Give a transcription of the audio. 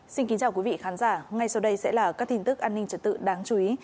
xin kính chào quý vị khán giả ngay sau đây sẽ là các tin tức an ninh trật tự đáng chú ý